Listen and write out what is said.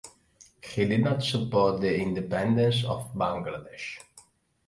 He did not support the independence of Bangladesh.